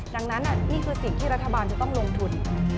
ดังนั้นนี่คือสิ่งที่รัฐบาลจะต้องลงทุน